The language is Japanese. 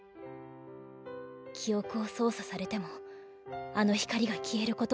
記憶を操作されてもあの光が消える事はなかった。